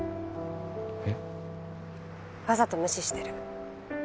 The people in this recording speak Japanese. えっ？わざと無視してる。